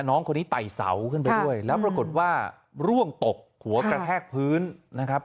น้องคนนี้ไต่เสาขึ้นไปด้วยแล้วปรากฏว่าร่วงตกหัวกระแทกพื้นนะครับ